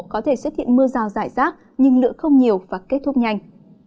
có thể xuất hiện mưa rào rải rác nhưng lượng không nhiều và kết thúc nhanh